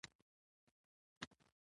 حیا مي راسي چي درته ګورم